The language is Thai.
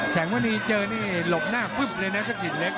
แสงวันนี้เจอนี่หลบหน้าปุ๊บเลยนะสักสิ่งเล็ก